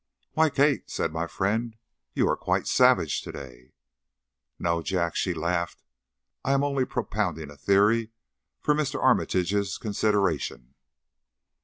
"Why, Kate," said my friend, "you are quite savage to day." "No, Jack," she laughed. "I'm only propounding a theory for Mr. Armitage's consideration."